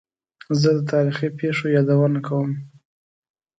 زه د تاریخي پېښو یادونه کوم.